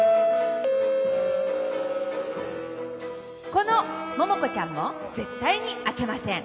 ・「このもも子ちゃんも絶対に開けません。